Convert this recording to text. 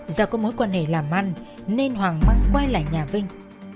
do có mối quan hệ làm ăn nên hoàng măng quay lại nhà vinh